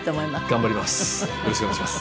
頑張ります。